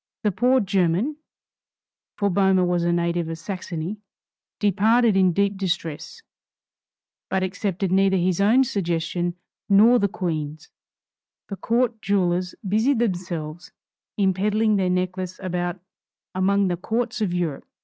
The poor German (for Boehmer was a native of Saxony) departed in deep distress, but accepted neither his own suggestion nor the Queen's. For some months after this, the court jewelers busied themselves in peddling their necklace about among the courts of Europe.